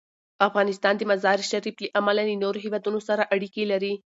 افغانستان د مزارشریف له امله له نورو هېوادونو سره اړیکې لري.